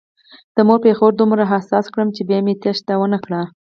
د مور پیغور دومره حساس کړم چې بیا مې تېښته ونه کړه.